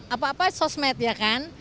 apa apa sosmed ya kan